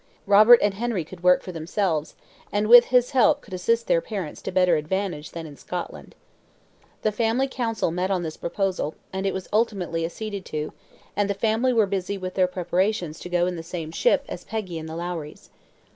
Robert and Henry could work for themselves, and with his help could assist their parents to better advantage than in Scotland. The family council met on this proposal, and it was ultimately acceded to, and the family were busy with their preparations to go in the same ship as Peggy and the Lowries.